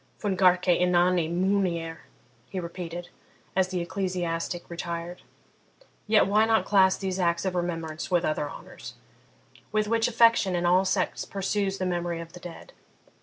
'Fun garque inani munere,' he repeated, as the ecclesiastic retired. 'Yet why not class these acts of remembrance with other honours, with which affection in all sects pursues the memory of the dead?'